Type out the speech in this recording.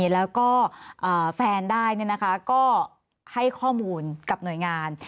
แล้วก็แฟนได้ก็ให้ข้อมูลกับหน่วยงาน